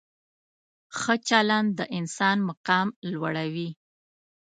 ښه چلند د انسان مقام لوړوي.